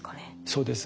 そうです。